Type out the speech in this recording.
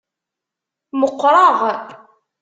Meqqreɣ.